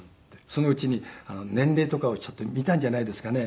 そのうちに年齢とかを見たんじゃないですかね。